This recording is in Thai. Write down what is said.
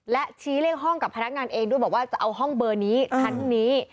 และชี้เลขห้องกับพนักงานเองด้วยบอกว่าจะเอาห้องเบอร์นี้ชั้นนี้